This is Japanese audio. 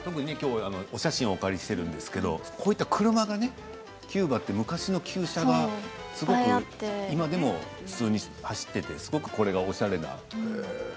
お写真をお借りしてるんですけどこういった車がねキューバは昔の旧車がすごく今でも普通に走っていてこれがおしゃれで。